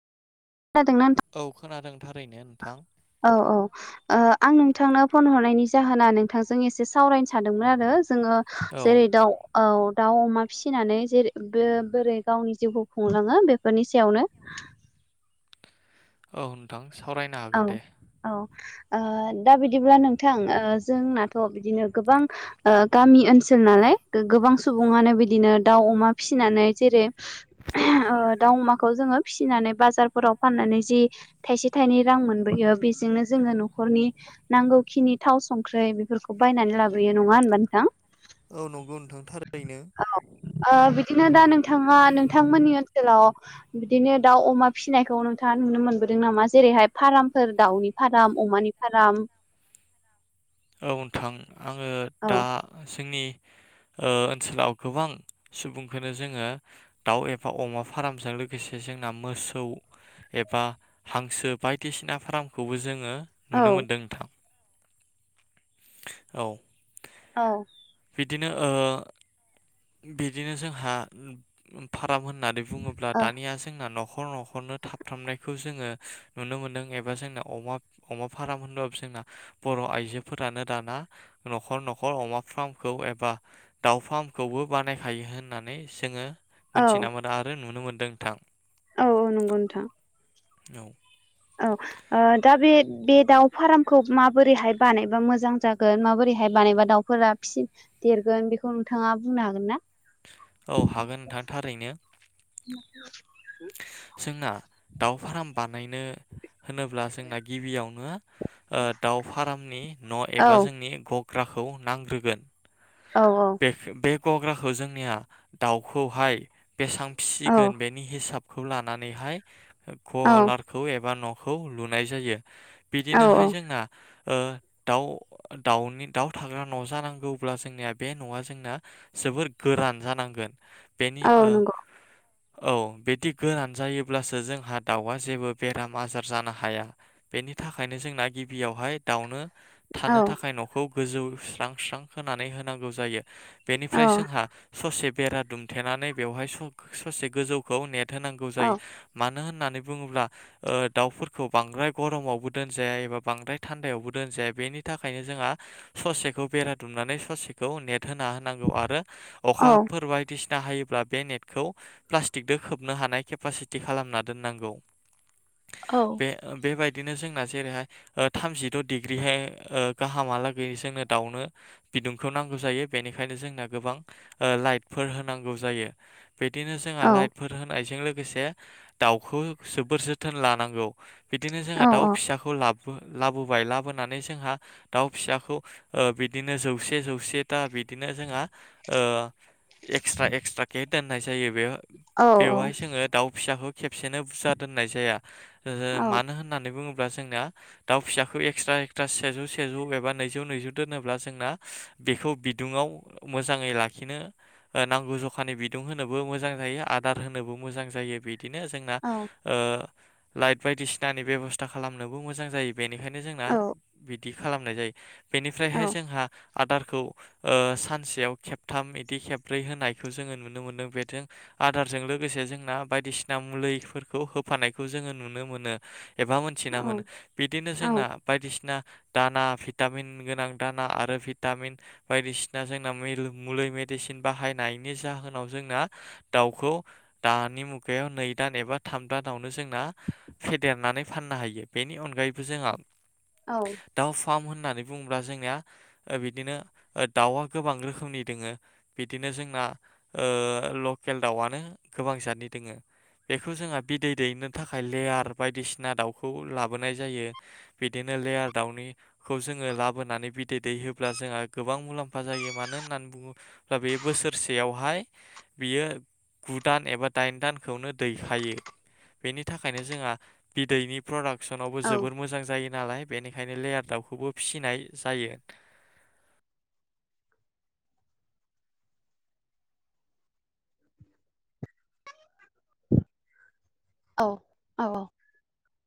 खोनादोंना नोंथां? औ खोनादों थारैनो नोंथां औ औ ओ आं नोंथांनो फन हरनायनि जाहोना नोंथांजों एसे सावरायनो सानादोंमोन आरो जोङो औ जेरै दाउ औ दाउ अमा फिसिनानै जेरै बोरै गावनि जिउखौ खुंलाङो बेफोरनि सायावनो [inaudible] औ नोंथां सावरायनो औ हागोन दे औ दा बिदिब्ला नोंथां जोंनाथ' बिदिनो गोबां गामि ओनसोल नालाय गोबां औ सुबङनो बिदिनो दाउ अमा फिसिनानै जेरै दाउ अमाखौ जोङो फिसिनानै बाजारफोराव फाननानै जि थाइसे थाइनै रां मोनबोयो बेजोंनो जोङो न'खरनि नांगौखिनि थाव संख्रि बेफोरखौ बायनानै लाबोयो नङा होनबा नोंथां औ नंगौ नोंथां थारैनो। औ बिदिनो दा नोंथाङा नोंथांमोननि ओनसोलाव बिदिनो दाउ अमा फिसिनायखौ नोंथाङा नुनो मोनबो नामा जेरैहाय फार्मफोर दाउनि फार्म अमानि फार्म औ नोंथां आङो दा औ जोंनि ओ ओनसोलाव गोबां सुबुंखौनो जोङो दाउ एबा अमा फार्मजों लोगोसे जों जोंना मोसौ एबा हांसो बायदिसिना फार्मखौबो जोङो औ नुनो मोनदों नोंथां औ औ बिदिनो ओ बिदिनो जोहा खालाम होननानै बुङोब्ला ओ दानिया जोंना न'खर न'खर न'खरनो थाबथामनायखौ जोङो नुनो मोनदों एबा जोंना अमा अमा फार्म होनबा जों बर' आइजोफोरानो दाना न'खर न'खर अमा फार्मखौ एबा दाउ फार्मखौ खौबो बानायखायो होननानै जोङो औ मोनथिना मोनदों आरो नुनो मोनदों नोंथां औ औ नंगौ नोंथां औ औ दा बे बे दाउ फार्मखौ माबोरैहाय बानायबा मोजां जागोन माबोरैहाय [unintelligible] बानायबा दाउफोरा फिसि देरगोन बेखौ नोंथाङा बुंनो हागोन ना? औ हागोन नोंथां थारैनो। जोंना दाउ फार्म बानायनो होनोब्ला जोंना गिबियावनो ओ दाउ फार्मनि न' औ एबा जोंनि ग ग्राखौ नांग्रोगोन। औ बे बे गग्राखौ जोंनिया दाउखौहाय बेसां औ फिसिगोन बेनि हिसाबखौ लानानैहाय औ गलारखौ एबा न' खौ लुनाय जायो औ बिदिनोहाय औ जोंना ओ दाउ दाउनि दाउ थाग्रा न' जानांगौब्ला जोंनिया बे न'आ जोंना जोबोर गोरान जानांगोन बेनि औ ओ नंगौ औ बिदि गोरान जायोब्लासो जोंहा दाउआ जेबो बेराम आजार जानो हाया बेनि थाखायनो जोंना गिबियावहाय दाउनो औ थानो थाखाय न'खौ गोजौ स्रां स्रां होनानै होनांगौ जायो औ बेनिफ्राय जोंहा ससे बेरा दुमथेनानै बेवहाय सक ससे गोजौखौ नेट होनांगौ औ जायो मा नो होननानै बुङोब्ला ओ दाउफोरखौ बद्राय गरमावबो दोनजाया एबा बांद्राय थान्दायावबो दोन जाया बेनि थाखायनो जोंहा ससेखौ बेरा दुमनानै ससे खौ नेट होना होनांगौ आरो अखाफोर बायदिसि ना हायोब्ला बे नेटखौ प्लास्टिकदो खोबनो हानाय केपासिटि खालामना दोननांगौ। औ बे ओ बेबाय दिनो जोंना जेरैहाय ओ थामजिद' डिग्रिहाय ओ गाहामालागै जोंनो दाउनो बिदुं खौ नांगौ जायो बेनिखायनो जोंना गोबां ओ लाइटफोर होनांगौ जायो। बिदिनो जोंहा औ लाइटफोर होनायजों लोगोसे दाउखौ जोबोर जोथोन लानांगौ। बिदिनो औ जोंहा दाउ औ फिसाखौ ला बो लाबोबाय लाबोनानै जोंहा दाउ फिसाखौ ओ बिदिनो जौ से जौसेता बिदिनो जोंहा ओ एक्सट्रा एक्सट्राके दोननाय जायो औ औ बेव-बेवहाय जोङो दाउ फिसाखौ खेबसेनो बुरजा दोननाय जाया। ओ औ मानो होननानै बुङो ब्ला जोंना दाउ फिसाखौ एक्सट्रा एक्सट्रा सेजौ सेजौ एबा नैजौ नैजौ दोनोब्ला जोंना बेखौ बिदुङाव मोजाङै लाखिनो ओ नांगौ जखानि बिदुं होनोबो मोजां जा यो आदार होनोबो मोजां जायो बि दिनो जोंना ओ लाइट बायदिसिनानि बेबस्था खालामनोबो मोजां जायो। बेनिखायनो जोंना बिदि खालामनाय जायो बेनिफ्रायहाय जोंहा आदारखौ ओ सानसेयाव खेबथाम इदि खेब्रै होनायखौ जोङो नुनो मोनो बेथों आदारजों लोगोसे जोंना बायदिसिना मुलैफोरखौ होफानायखौ जोङो नुनो मोनो एबा मोनथिना मोनो बिदिनो जोंना बायदिसिना दाना भिटामिन गोनां दाना आरो भि टामिन बायदिसिना जोंना मैलो मुलै मेडिसिन बाहायनायनि जाहोनाव जोंना दा वखौ दानि मुगायाव नै दान एबा थाम दानावनो जोंना फेदेरनानै फाननो हायो। बेनि अनगायैबो जोंहा दाउ फार्म होननानै बुङोब्ला जोंनिया ओ बिदिनो दावआ गोबां रोखोमनि दोङो बिदिनो जोंना ओ ल केल दाउआनो गोबां जादनि दोङो। बेखौ जोंहा बिदै दैनो थाखाय लेयार बायदिसिना दाउखौ लाबोनाय जायो बिदिनो लेयार दावनिखौ जोङो लाबोननै बिदै दैहो ब्ला जोंहा गोबां मुलाम्फा जायो मानो होननानै बुङोब्ला बे बोसोरसेयावहाय बियो गु दान एबा दाइन दानखौनो दैखायो। बेनि थाखायनो जोंहा बिदैनि प्रडाक्ट सनावबो जोबोर मोजां जायो नालाय बेनिखायनो लेयार दाउखौबो फिसिनाय जायो। औ औ औ।